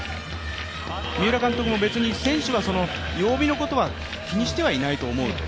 三浦監督も、別に選手は曜日のことは気にしてはいないと思うと。